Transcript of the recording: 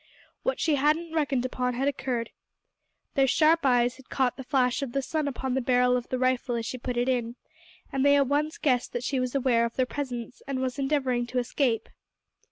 What she hadn't reckoned upon had occurred. Their sharp eyes had caught the flash of the sun upon the barrel of the rifle as she put it in, and they at once guessed that she was aware of their presence, and was endeavouring to escape.